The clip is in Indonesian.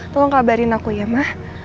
tolong kabarin aku ya mah